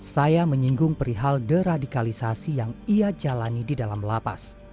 saya menyinggung perihal deradikalisasi yang ia jalani di dalam lapas